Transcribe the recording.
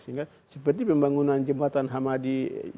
sehingga seperti pembangunan jembatan hamadi